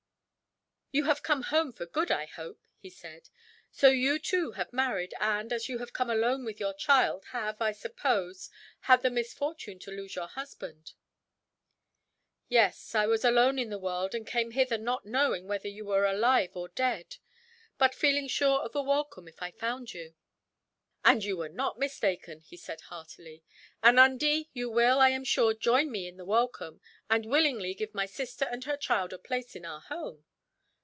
"You have come home for good, I hope," he said. "So you too have married and, as you come alone with your child, have, I suppose, had the misfortune to lose your husband?" "Yes, I was alone in the world, and came hither not knowing whether you were alive or dead; but feeling sure of a welcome, if I found you." "And you were not mistaken," he said heartily. "Anundee, you will, I am sure, join me in the welcome; and willingly give my sister and her child a place in our home?"